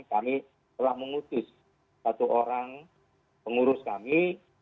kami telah mengutus satu orang pengurus kami